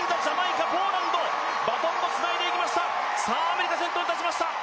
アメリカ、先頭に立ちました。